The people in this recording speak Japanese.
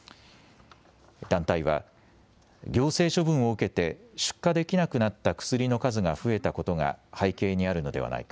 団体は行政処分を受けて出荷できなくなった薬の数が増えたことが背景にあるのではないか。